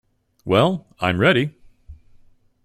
Well, I’m ready.